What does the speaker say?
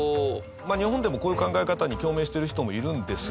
日本でもこういう考え方に共鳴してる人もいるんです。